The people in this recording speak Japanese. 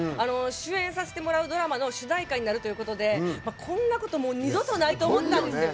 主演させていただくドラマの主題歌になるということでこんなこと二度とないと思ったんですよ。